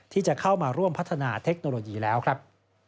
ที่จะเข้ามาร่วมพัฒนาเทคโนโลยีแล้วครับ